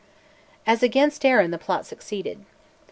As against Arran the plot succeeded.